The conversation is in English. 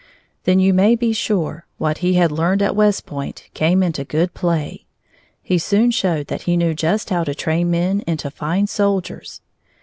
Then, you may be sure, what he had learned at West Point came into good play. He soon showed that he knew just how to train men into fine soldiers.